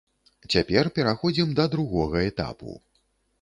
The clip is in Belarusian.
Цяпер пераходзім да другога этапу.